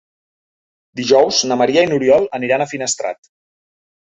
Dijous na Maria i n'Oriol aniran a Finestrat.